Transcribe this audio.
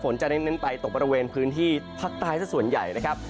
จะเน้นไปตกบริเวณพื้นที่ภาคใต้สักส่วนใหญ่นะครับ